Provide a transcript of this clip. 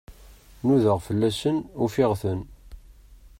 Nudaɣ fell-asen, ufiɣ-ten.